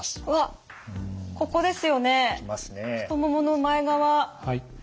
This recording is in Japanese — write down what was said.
わっここですよね太ももの前側。